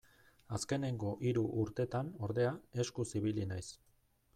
Azkenengo hiru urtetan, ordea, eskuz ibili naiz.